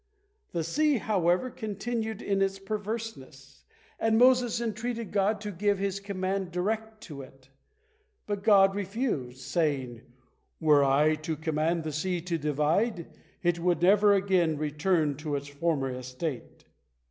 The sea, however, continued in its perverseness, and Moses entreated God to give His command direct to it. But God refused, saying: "Were I to command the sea to divide, it would never again return to its former estate.